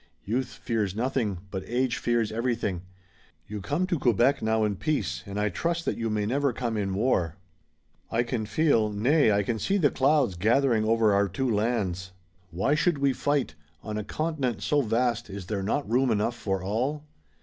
Youth fears nothing, but age fears everything. You come to Quebec now in peace, and I trust that you may never come in war. I can feel, nay I can see the clouds gathering over our two lands. Why should we fight? On a continent so vast is there not room enough for all?"